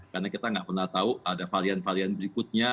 karena kita nggak pernah tahu ada varian varian berikutnya